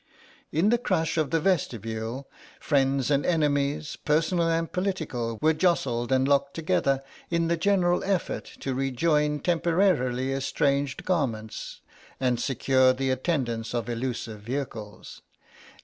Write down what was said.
In the crush of the vestibule, friends and enemies, personal and political, were jostled and locked together in the general effort to rejoin temporarily estranged garments and secure the attendance of elusive vehicles.